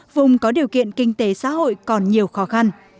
vùng có điều kiện kinh tế xã hội còn nhiều khó khăn